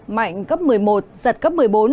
mạnh cấp một mươi một giật cấp một mươi bốn